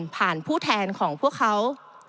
ผ่านผู้แทนของพวกเขา